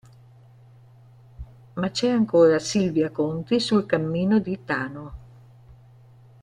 Ma c'è ancora Silvia Conti sul cammino di Tano.